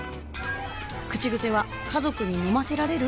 口癖は「家族に飲ませられる？」